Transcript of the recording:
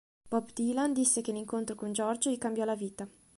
Bob Dylan disse che l'incontro con George gli cambiò la vita.